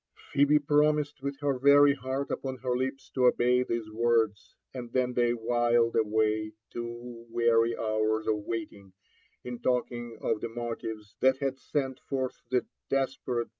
Phebe promised with her very heart upon her lips to obey theae words } and then they whiled away two weary hours of waiting, in talking of the motives that had sent forth the desperate!